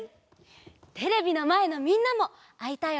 テレビのまえのみんなもあいたい